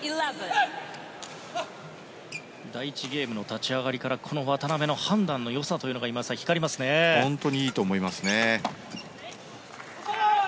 第１ゲームの立ち上がりからこの渡辺の判断のよさというのが本当にいいと思いますね。